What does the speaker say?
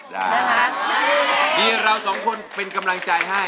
นี่เราสองคนเป็นกำลังใจให้